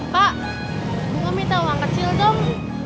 pak gue mau minta uang kecil dong